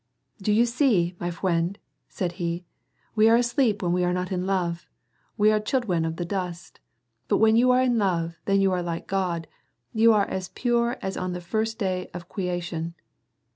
" Do you see, my f w'iend," said he " We are asleep when we are not in love. We are child w'en of the dust ; but when you are in love, then you are like God, you are as pure as on the first day of kweation.